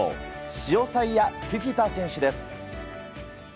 シオサイア・フィフィタ選手です。